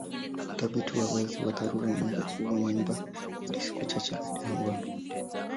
Udhibiti wa uzazi wa dharura unaweza kuua mimba hadi siku chache baada ya ngono.